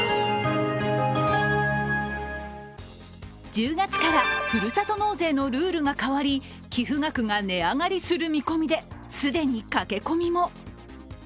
１０月からふるさと納税のルールが変わり寄付額が値上がりする見込みで既に駆け込みも。